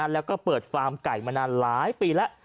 แล้วก็เปิดฟาร์มไก่มานานหลายปีแล้ว